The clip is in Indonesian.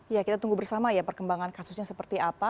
ya kita tunggu bersama ya perkembangan kasusnya seperti apa